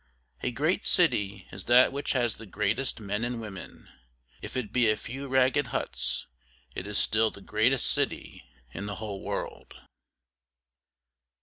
A great city is that which has the greatest men and women, If it be a few ragged huts it is still the greatest city in the whole world.